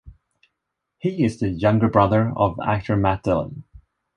He is the younger brother of actor Matt Dillon.